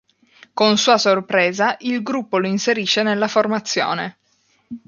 Con sua sorpresa, il gruppo lo inserisce nella formazione.